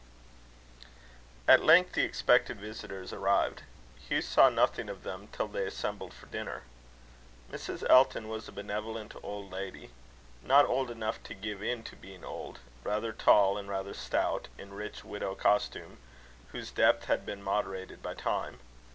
At length the expected visitors arrived. Hugh saw nothing of them till they assembled for dinner. Mrs. Elton was a benevolent old lady not old enough to give in to being old rather tall, and rather stout, in rich widow costume, whose depth had been moderated by time.